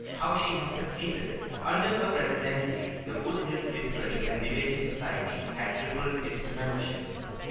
how she had succeeded. Under her presidency the Wood Hills Literary and Debating Society had tripled its membership.